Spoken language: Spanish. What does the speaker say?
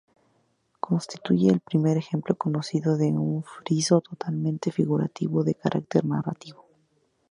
Constituye el primer ejemplo conocido de un friso totalmente figurativo y de carácter narrativo.